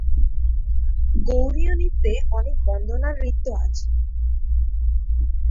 গৌড়ীয় নৃত্যে অনেক বন্দনা নৃত্য আছে।